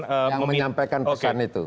yang menyampaikan pesan itu